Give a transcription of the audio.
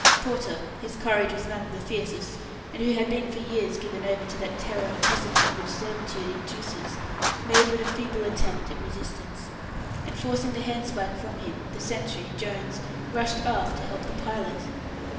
Porter, whose courage was none of the fiercest, and who had been for years given over to that terror of discipline which servitude induces, made but a feeble attempt at resistance, and forcing the handspike from him, the sentry, Jones, rushed aft to help the pilot.